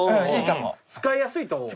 使いやすいと思う。